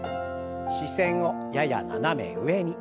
視線をやや斜め上に。